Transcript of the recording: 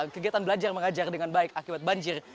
kegiatan belajar mengajar dengan baik akibat banjir